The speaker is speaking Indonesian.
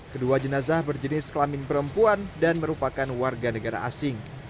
kedua jenazah berjenis kelamin perempuan dan merupakan warga negara asing